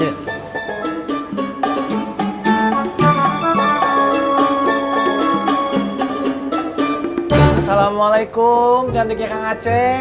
assalamualaikum cantiknya kang aceh